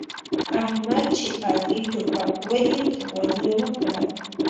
احمد چې علي توپک وليد؛ غول يې وکړل.